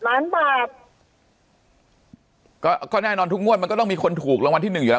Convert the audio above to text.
ล้านบาทก็ก็แน่นอนทุกงวดมันก็ต้องมีคนถูกรางวัลที่หนึ่งอยู่แล้ว